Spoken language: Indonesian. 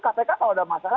kpk kalau ada masalah